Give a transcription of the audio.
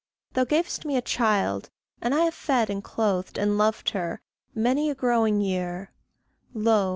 Thou gavest me a child, and I have fed And clothed and loved her, many a growing year; Lo!